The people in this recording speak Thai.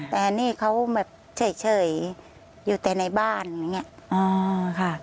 แต่นี่เขาแบบเฉยอยู่แต่ในบ้านอย่างนี้